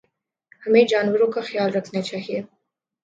ہمیں جانوروں کا خیال رکھنا چاہیے